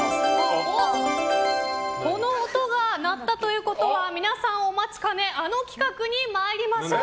この音が鳴ったということは皆さんお待ちかねあの企画に参りましょう。